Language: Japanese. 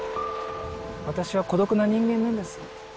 私は孤独な人間なんです。